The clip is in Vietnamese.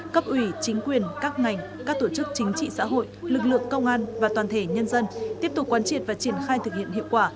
cấp ủy chính quyền các ngành các tổ chức chính trị xã hội lực lượng công an và toàn thể nhân dân tiếp tục quan triệt và triển khai thực hiện hiệu quả